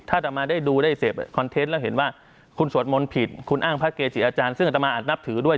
อาตมาได้ดูได้เสพคอนเทนต์แล้วเห็นว่าคุณสวดมนต์ผิดคุณอ้างพระเกจิอาจารย์ซึ่งอัตมาอาจนับถือด้วย